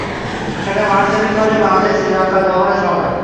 সেটা March April মাসে বাংলাদেশ দলের শ্রীলঙ্কা সফরের সময়।